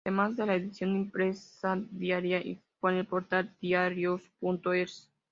Además de la edición impresa diaria, dispone del portal "diariosur.es".